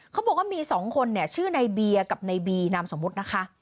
เขาบอกว่ามีสองคนเนี่ยชื่อในเบียร์กับในบีนามสมมุตินะคะ